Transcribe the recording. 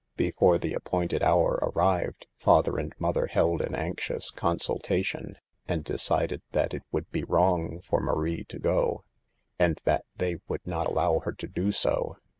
Before the appointed hour arrived, father and mother held an anxious consultation, and decided that it would be wrong for Marie to go, and that they would not allow her to do so.